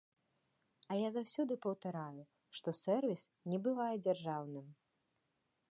А я заўсёды паўтараю, што сэрвіс не бывае дзяржаўным.